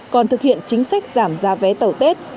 còn thực hiện chính sách giảm giá vé tàu tết